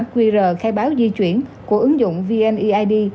qr khai báo di chuyển của ứng dụng vneid